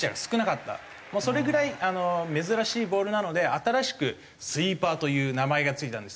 それぐらい珍しいボールなので新しく「スイーパー」という名前が付いたんですよ。